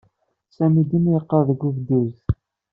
Sami dima yeqqar deg ubduz.